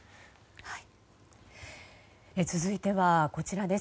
続いては、こちらです。